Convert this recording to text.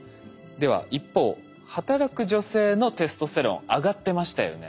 では一方働く女性のテストステロン上がってましたよね。